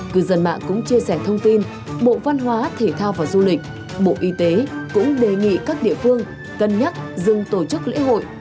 cư dân mạng cũng chia sẻ thông tin bộ văn hóa thể thao và du lịch bộ y tế cũng đề nghị các địa phương cân nhắc dừng tổ chức lễ hội